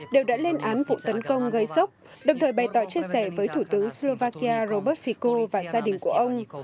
đều đã lên án vụ tấn công gây sốc đồng thời bày tỏ chia sẻ với thủ tướng slovakia robert fico và gia đình của ông